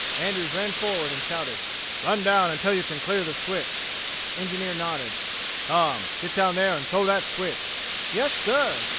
Andrews ran forward and shouted: "Run down until you clear the switch." The engineer nodded. "Tom, get down there and throw that switch!" "Yes, sir."